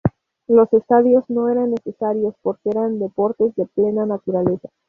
Los estadios no eran necesarios porque eran deportes de plena naturaleza.